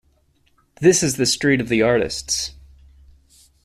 This is the street of the artists.